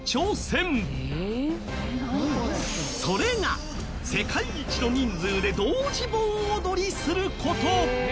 それが世界一の人数で同時盆踊りする事。